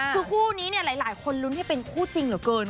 คือคู่นี้เนี่ยหลายคนลุ้นให้เป็นคู่จริงเหลือเกิน